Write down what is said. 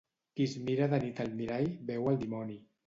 Qui es mira de nit al mirall veu el dimoni.